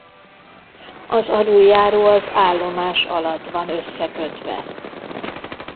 Az aluljáró az állomás alatt van összekötve.